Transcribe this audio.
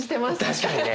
確かにね。